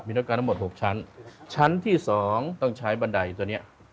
มีรถการทั้งหมดหกชั้นชั้นที่สองต้องใช้บันไดตัวเนี้ย